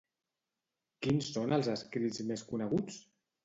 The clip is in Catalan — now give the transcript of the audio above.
Quins són els escrits més coneguts?